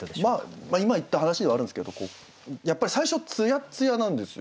今言った話ではあるんですけどやっぱり最初つやっつやなんですよ。